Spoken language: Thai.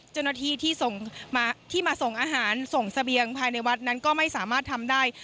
เจ้าหน้าที่ที่มาส่งอาหารส่งเสบียงภายในวัดนั้นก็ไม่สามารถทำได้